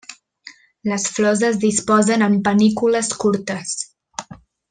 Les flors es disposen en panícules curtes.